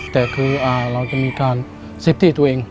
แต่คือเราจะมีการซิปที่ตัวเอง